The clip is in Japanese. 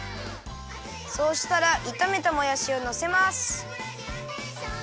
そうしたらいためたもやしをのせます。